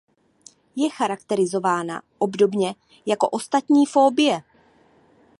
Je charakterizována obdobně jako ostatní fobie.